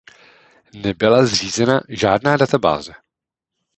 Nebyla zřízena žádná databáze.